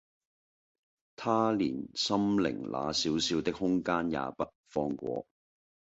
他連心靈那小小的空間也不放過